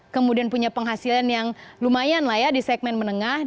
kemudian punya penghasilan yang lumayan lah ya di segmen menengah